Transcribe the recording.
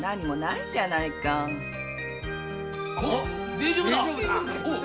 大丈夫だ！